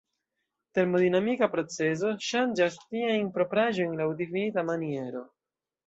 Termodinamika procezo ŝanĝas tiajn propraĵojn laŭ difinita maniero.